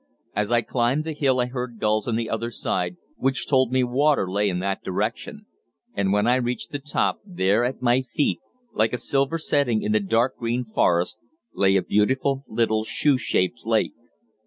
As I climbed the hill I heard gulls on the other side, which told me water lay in that direction, and when I reached the top, there at my feet, like a silver setting in the dark green forest, lay a beautiful little shoe shaped lake.